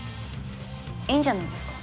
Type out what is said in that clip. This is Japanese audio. いいんじゃないですか。